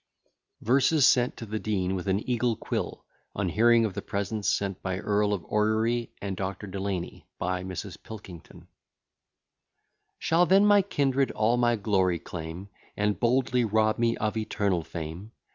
VERSES SENT TO THE DEAN WITH AN EAGLE QUILL, ON HEARING OF THE PRESENTS BY THE EARL OF ORRERY AND DR. DELANY. BY MRS. PILKINGTON Shall then my kindred all my glory claim, And boldly rob me of eternal fame?